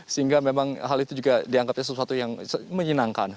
sehingga memang hal itu juga dianggapnya sesuatu yang menyenangkan